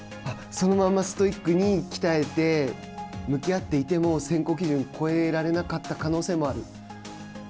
そのままストイックに鍛えて向き合っていても選考基準を超えられなかった可能性もある？